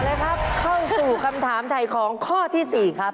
ต่อเลยครับเข้าสู่คำถามไถ่ของข้อที่๔ครับ